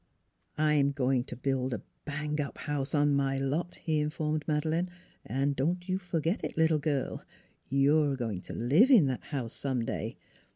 " I'm going to build a bang up house on my lot," he informed Madeleine. " And don't you forget it, little girl, you're going to live in that house some day.